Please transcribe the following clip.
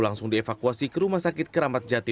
langsung dievakuasi ke rumah sakit keramat jati